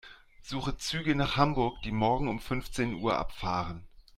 Suche Züge nach Hamburg, die morgen um fünfzehn Uhr abfahren.